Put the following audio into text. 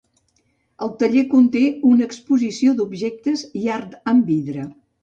El taller conté una exposició d’objectes i art en vidre.